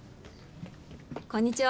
こんにちは。